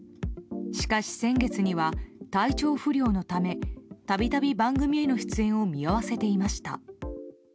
しかし先月には体調不良のため度々、番組への出演を見合わせていました。